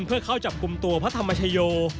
เพื่อเข้าจับกลุ่มตัวพระธรรมชโย